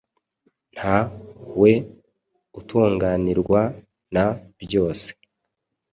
nta we utunganirwa na byose.